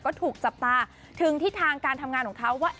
ก็ถูกจับตาถึงที่ทางการทำงานของเขาว่า